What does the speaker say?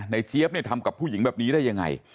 เจี๊ยบเนี่ยทำกับผู้หญิงแบบนี้ได้ยังไง